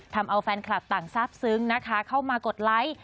ทำเอาแฟนคลับต่างทราบซึ้งนะคะเข้ามากดไลค์